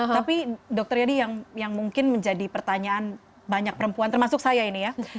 tapi dr yedi yang mungkin menjadi pertanyaan banyak perempuan termasuk saya ini ya